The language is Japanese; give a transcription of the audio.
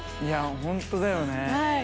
本当だよね。